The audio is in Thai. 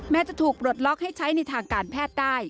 จะถูกปลดล็อกให้ใช้ในทางการแพทย์ได้